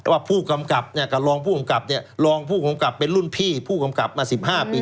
ว่าผู้กำกับเนี่ยกับรองผู้กำกับเนี่ยรองผู้กำกับเป็นรุ่นพี่ผู้กำกับมา๑๕ปี